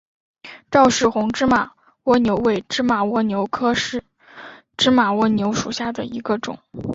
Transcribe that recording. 赵氏红芝麻蜗牛为芝麻蜗牛科芝麻蜗牛属下的一个种。